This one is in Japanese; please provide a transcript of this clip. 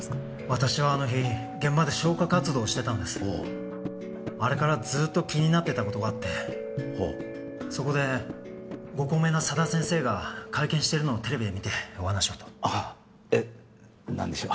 私はあの日現場で消火活動をしてたんですあれからずっと気になってたことがあってはあそこでご高名な佐田先生が会見してるのをテレビで見てお話をとあっえっ何でしょう？